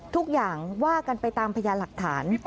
ทุกอย่างว่ากันไปตามพยานหลักฐาน